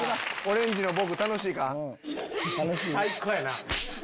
最高やな。